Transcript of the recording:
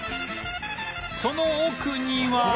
その奥には